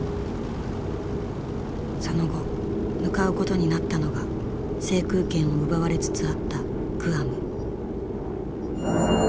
その後向かうことになったのが制空権を奪われつつあったグアム。